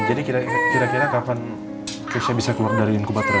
jadi kira kira kapan keisha bisa keluar dari inggo bater ya